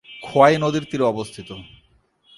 খোয়াই নদীর তীরে অবস্থিত।